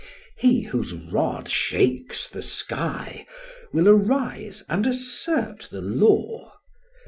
He, whose rod shakes the sky, will arise and assert the law.